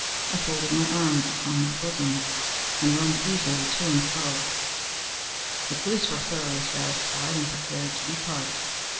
I folded my arms upon my bosom, and roamed easily to and fro. The police were thoroughly satisfied and prepared to depart.